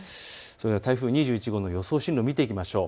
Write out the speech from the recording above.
台風２１号の予想進路を見ていきましょう。